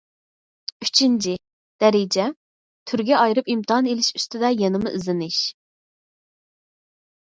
ئۈچىنچى، دەرىجە، تۈرگە ئايرىپ ئىمتىھان ئېلىش ئۈستىدە يەنىمۇ ئىزدىنىش.